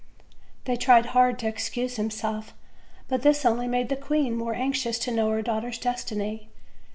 They tried hard to excuse themselves, but this only made the queen more anxious to know her daughter's destiny.